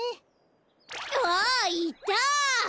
あっいた！